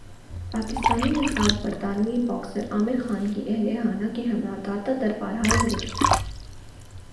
پاکستانی نژادبرطانوی باکسر عامر خان کی اہل خانہ کےہمراہ داتادربار حاضری